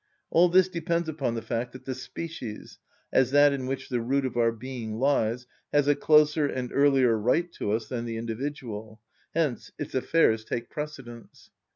All this depends upon the fact that the species, as that in which the root of our being lies, has a closer and earlier right to us than the individual; hence its affairs take precedence.